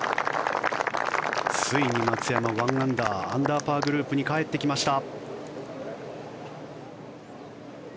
ついに松山、１アンダーアンダーパーグループに帰ってきました。